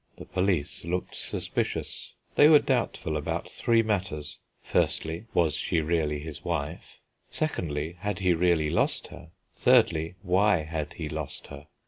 The police looked suspicious; they were doubtful about three matters: Firstly, was she really his wife? Secondly, had he really lost her? Thirdly, why had he lost her?